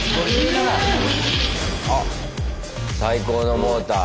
最高のモーター。